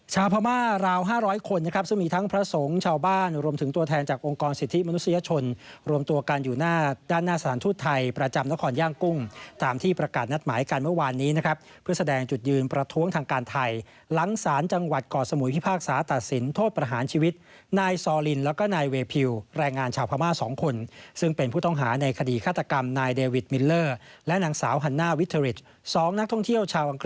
ชาวพามาราว๕๐๐คนนะครับซึ่งมีทั้งพระสงค์ชาวบ้านรวมถึงตัวแทนจากองค์กรสิทธิมนุษยชนรวมตัวกันอยู่หน้าด้านหน้าสถานทูตไทยประจำนครย่างกุ้งตามที่ประกาศนัดหมายกันเมื่อวานนี้นะครับเพื่อแสดงจุดยืนประท้วงทางการไทยหลังศาลจังหวัดก่อสมุยพิพากษาตัดสินโทษประหารชีวิตนายซอลิ